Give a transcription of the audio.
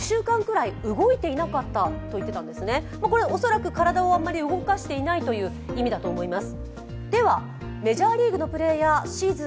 恐らく体をあまり動かしていないという意味だと思います。